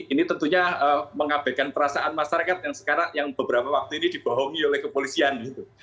ini tentunya mengabaikan perasaan masyarakat yang sekarang yang beberapa waktu ini dibohongi oleh kepolisian gitu